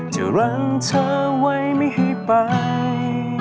จะรังเธอไว้ไม่ให้ไป